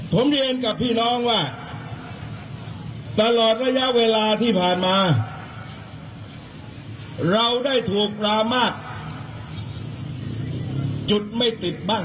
ผมเรียนกับพี่น้องว่าตลอดระยะเวลาที่ผ่านมาเราได้ถูกลามาตรจุดไม่ติดบ้าง